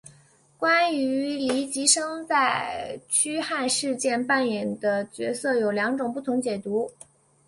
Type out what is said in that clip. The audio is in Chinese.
关于黎吉生在驱汉事件扮演的角色有两种不同解读。